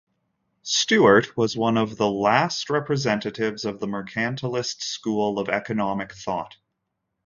Steuart was one of the last representatives of the mercantilist school of economic thought.